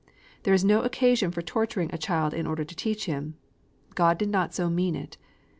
There is no occasion for torturing a child in order to teach him. God did not so mean it.